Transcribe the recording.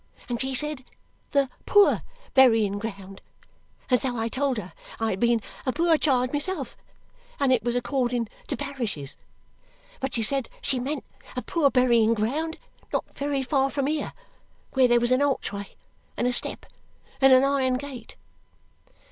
And she said, the poor burying ground. And so I told her I had been a poor child myself, and it was according to parishes. But she said she meant a poor burying ground not very far from here, where there was an archway, and a step, and an iron gate."